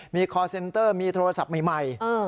มีคอร์เซ็นเตอร์มีโทรศัพท์ใหม่